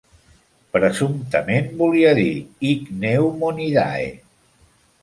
Presumptament, volia dir Ichneumonidae.